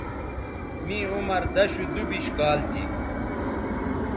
می عمر دشودُوبش کال تھی